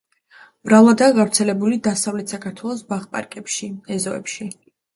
მრავლადაა გავრცელებული დასავლეთ საქართველოს ბაღ–პარკებში, ეზოებში.